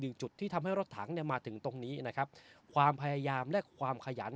จุดที่ทำให้รถถังเนี่ยมาถึงตรงนี้นะครับความพยายามและความขยัน